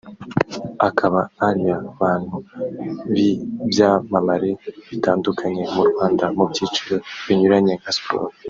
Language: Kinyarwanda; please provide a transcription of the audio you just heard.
akaba aria bantu b’ibyamamare bitandukanye mu Rwanda mu byiciro binyuranye nka siporo